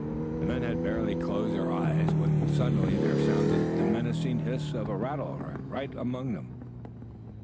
The men had barely closed their eyes when suddenly there sounded the menacing hiss of a rattler right among them.